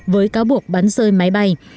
với cáo buộc bắn rơi máy bay